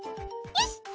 よし！